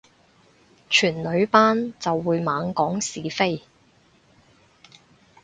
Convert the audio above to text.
全女班就會猛講是非